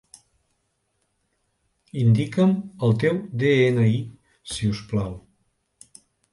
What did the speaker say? Indica'm el teu de-ena-i, si us plau.